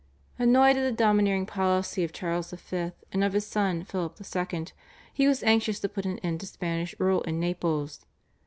Annoyed at the domineering policy of Charles V., and of his son Philip II., he was anxious to put an end to Spanish rule in Naples.